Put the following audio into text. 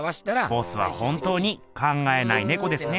ボスは本当に「考えないねこ」ですね。